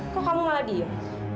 kok kamu malah diam